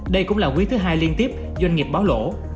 đây cũng là quý thứ hai liên tiếp doanh nghiệp báo lỗ